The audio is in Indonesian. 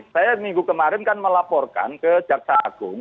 saya minggu kemarin kan melaporkan ke jaksa agung